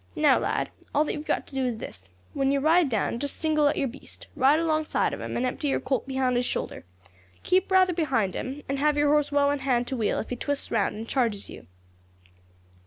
Now, lad, all that you have got to do is, when you ride down just single out your beast, ride alongside of him, and empty your Colt behind his shoulder. Keep rather behind him, and have your horse well in hand to wheel if he twists round and charges you."